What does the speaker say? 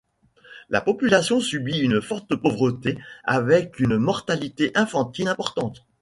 La population subit une forte pauvreté, avec une mortalité infantile importante.